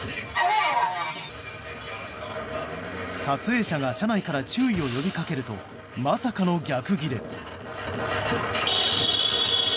撮影者が車内から注意を呼び掛けるとまさかの逆ギレ。